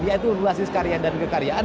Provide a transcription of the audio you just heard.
yaitu basis karya dan kekaryaan